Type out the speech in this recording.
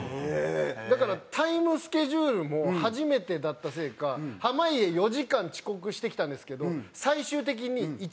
だからタイムスケジュールも初めてだったせいか濱家４時間遅刻してきたんですけど最終的に１時間巻いて終わったんですよ。